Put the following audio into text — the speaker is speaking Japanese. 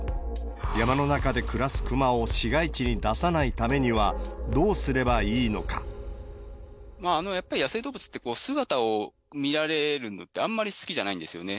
山の中で暮らすクマを市街地に出さないためには、どうすればいいやっぱり野生動物って、姿を見られるのってあんまり好きじゃないんですよね。